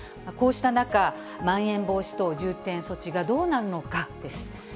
こうした中、まん延防止等重点措置がどうなるのかです。